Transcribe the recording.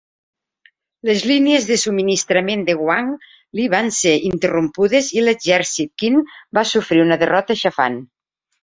Les línies de subministrament de Wang Li van ser interrompudes i l'exèrcit Qin va sofrir una derrota aixafant.